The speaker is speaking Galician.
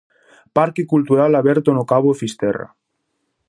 Parque cultural aberto no Cabo Fisterra.